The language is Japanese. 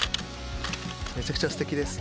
めちゃくちゃステキです。